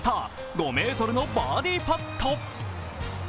５ｍのバーディーパット。